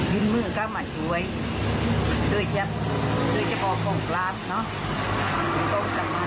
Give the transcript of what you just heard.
ยืนมือกับเขามาช่วยโดยจะโดยจะพอพ้องพลักษณ์เนาะ